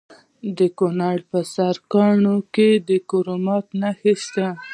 د کونړ په سرکاڼو کې د کرومایټ نښې شته.